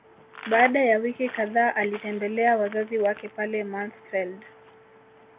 Baada ya wiki kadhaa alitembelea wazazi wake pale Mansfeld